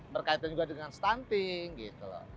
berkaitan juga dengan stunting gitu loh